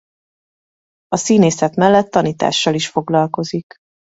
A színészet mellett tanítással is foglalkozik.